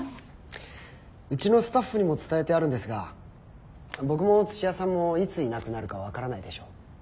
うちのスタッフにも伝えてあるんですが僕も土屋さんもいついなくなるか分からないでしょ？